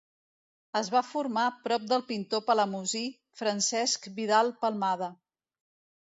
Es va formar prop del pintor palamosí Francesc Vidal Palmada.